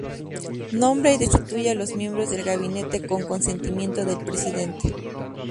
Nombra y destituye a los miembros del gabinete con consentimiento del presidente.